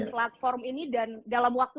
platform ini dan dalam waktu